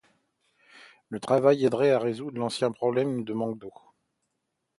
Le travail aiderait à résoudre l'ancien problème de manque d'eau.